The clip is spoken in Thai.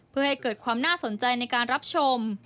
เพื่อให้เกิดความน่าสนใจในการรับชม